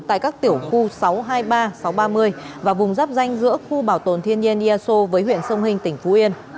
tại các tiểu khu sáu trăm hai mươi ba sáu trăm ba mươi và vùng giáp danh giữa khu bảo tồn thiên nhiên eso với huyện sông hình tỉnh phú yên